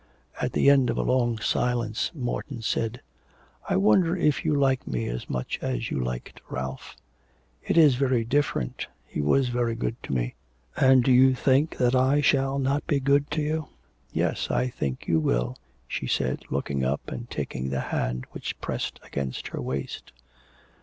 At the end of a long silence, Morton said: 'I wonder if you like me as much as you liked Ralph.' 'It is very different. He was very good to me.' 'And do you think that I shall not be good to you?' 'Yes, I think you will,' she said looking up and taking the hand which pressed against her waist.